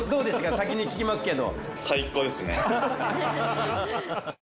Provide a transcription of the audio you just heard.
先に聞きますけど。